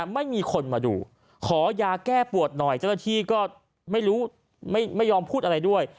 ไม่มีคนมาดูขอยาแก้ปวดหน่อยเจ้าหน้าที่ก็ไม่รู้ไม่ยอมพูดอะไรด้วย